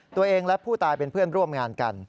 ตัวเองและผู้ตายเป็นเพื่อนร่วมงานกัน